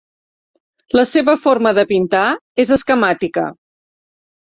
La seva forma de pintar és esquemàtica.